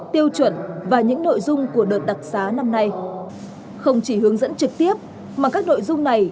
tiêu chuẩn và những nội dung của đợt đặc xá năm nay không chỉ hướng dẫn trực tiếp mà các nội dung này